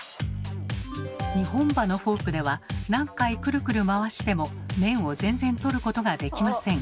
２本歯のフォークでは何回クルクル回しても麺を全然取ることができません。